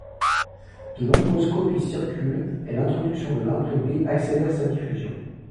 De nombreuses copies circulent et l'introduction de l'imprimerie accélère sa diffusion.